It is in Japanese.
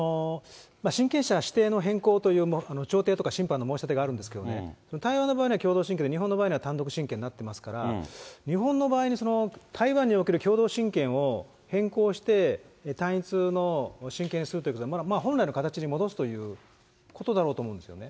親権者指定の変更という調停とか審判の申し立てがあるんですけれども、台湾の場合は共同親権で、日本の場合は単独親権になってますから、日本の場合に台湾における共同親権を変更して、単一の親権にするって、また本来の形に戻すということだろうと思うんですよね。